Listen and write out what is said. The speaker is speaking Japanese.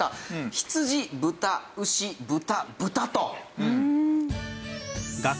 羊豚牛豚豚と。